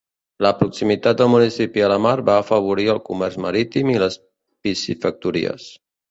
La proximitat del municipi a la mar va afavorir el comerç marítim i les piscifactories.